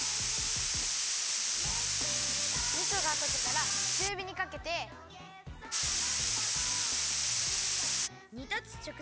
みそがとけたらちゅうびにかけて。にたつちょく